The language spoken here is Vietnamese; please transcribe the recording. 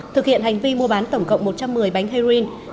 thực hiện hành vi mua bán tổng cộng một trăm một mươi bánh heroin